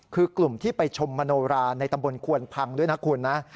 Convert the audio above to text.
คือกลุ่มที่ไปชมมโนราในตำบลควนพังด้วยนะคุณนะ